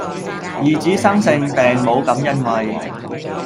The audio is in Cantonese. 兒子生性病母感欣慰